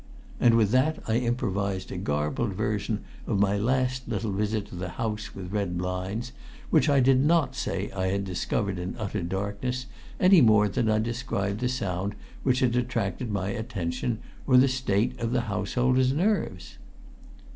And with that I improvised a garbled version of my last little visit to the house with red blinds, which I did not say I had discovered in utter darkness, any more than I described the sound which had attracted my attention, or the state of the householder's nerves.